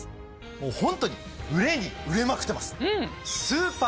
もうホントに売れに売れまくってます。